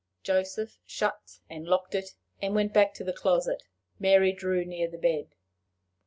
Joseph shut and locked it, and went back to the closet. Mary drew near the bed.